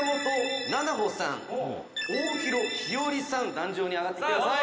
「壇上に上がってきてください」